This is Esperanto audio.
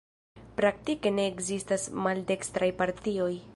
Praktike ne ekzistas maldekstraj partioj.